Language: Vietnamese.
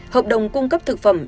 hợp đồng cung cấp thực phẩm